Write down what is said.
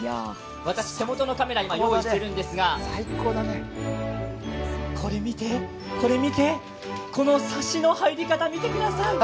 私、手元のカメラを用意しているんですが、これ見て、これ見て、このさしの入り方見てください。